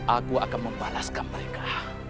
aku akan membalaskan mereka